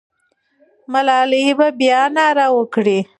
ملالۍ به بیا ناره وکړي.